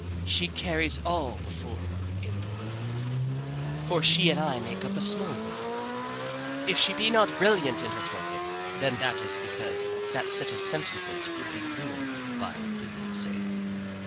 She carries all before her in the world. For she and I make up a small world. If she be not brilliant in her talking, then that is because that set of sentences would be ruined by brilliancy.